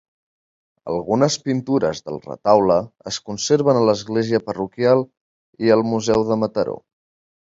Algunes pintures del retaule es conserven a l'església parroquial i al Museu de Mataró.